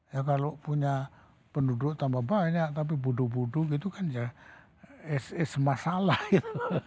ya kalau punya penduduk tambah banyak tapi bodoh bodoh gitu kan ya is masalah gitu